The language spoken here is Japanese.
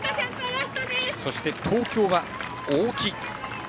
そして東京が大木。